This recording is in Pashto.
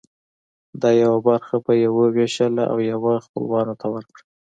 دا یوه برخه به یې وویشله او یوه خپلوانو ته ورکړه.